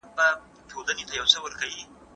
احمد شاه بابا د سکانو د ځپلو لپاره څه وکړل؟